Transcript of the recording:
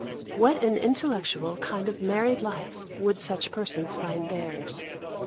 What an intellectual kind of married life would such persons find theirs!